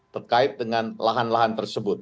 terkait dengan lahan lahan tersebut